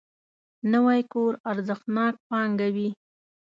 نوی کور ارزښتناک پانګه وي